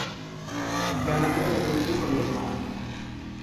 Ganando el anillo con los Mavs.